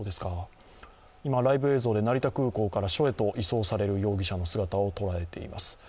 今、ライブ映像で成田空港から署へと移送される容疑者の姿をとらえています。